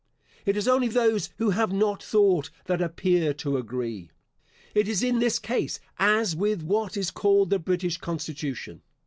It is only those who have not thought that appear to agree. It is in this case as with what is called the British constitution.